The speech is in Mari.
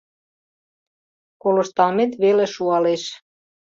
Колышталмет веле шуалеш.